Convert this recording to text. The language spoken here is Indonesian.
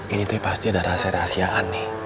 ini pasti adalah rahasia rahasia